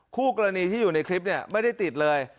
คู่กรณีที่อยู่ในคลิปเนี่ยไม่ได้ติดเลย